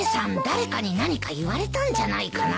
誰かに何か言われたんじゃないかな。